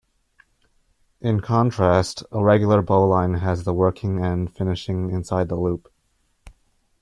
In contrast, a regular bowline has the working end finishing inside the loop.